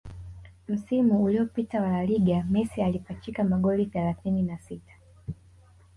Msimu uliopita wa La Liga Messi alipachika magoli thelathini na sita